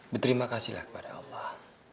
berterima kasihlah kepada allah